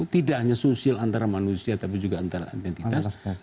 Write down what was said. tidak hanya sosial antara manusia tapi juga antara identitas